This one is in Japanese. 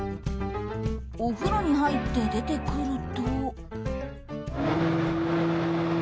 お風呂に入って出てくると。